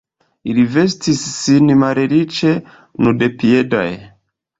Ili vestis sin malriĉe, nudpiedaj.